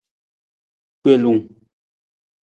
Gbelung.